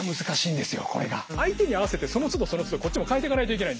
相手に合わせてそのつどそのつどこっちも変えていかないといけない。